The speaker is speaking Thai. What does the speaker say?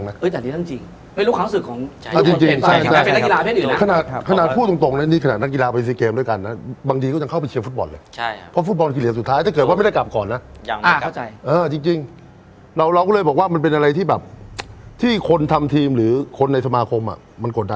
สุดท้ายเข้าชึงและแชมป์ทุกฯงานมันก็จบแม้ว่าครั้งนั้นเราอาจจะไม่ได้เจ้าเหรียญทองน่ะ